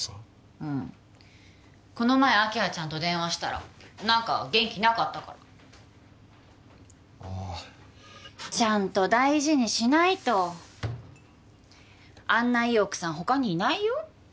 うんこの前明葉ちゃんと電話したら何か元気なかったからあちゃんと大事にしないとあんないい奥さん他にいないよ？